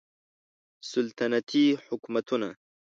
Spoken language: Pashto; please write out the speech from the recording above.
سلطنتي حکومتونه